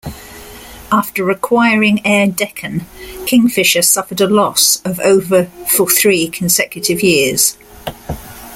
After acquiring Air Deccan, Kingfisher suffered a loss of over for three consecutive years.